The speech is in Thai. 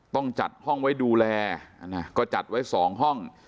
ต้องจัดห้องไว้ดูแลก็จัดไว้๒ห้อง